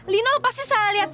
lina lu pasti salah liat